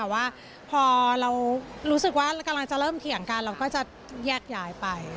แต่ว่าพอเรารู้สึกว่ากำลังจะเริ่มเถียงกันเราก็จะแยกย้ายไป